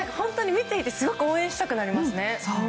見ていてすごく応援したくなりますね。